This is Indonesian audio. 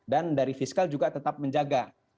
dan dari fiskal juga tetap menjaga